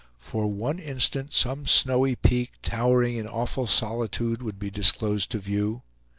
For one instant some snowy peak, towering in awful solitude, would be disclosed to view.